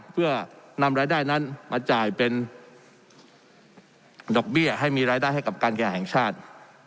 เพื่อนำรายได้นั้นมาจ่ายเป็นดอกเบี้ยให้มีรายได้ให้กับการแข่งชาติ